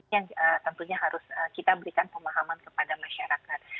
yang tentunya harus kita berikan pemahaman kepada masyarakat